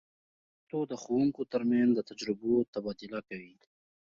پښتو د ښوونکو تر منځ د تجربو تبادله کوي.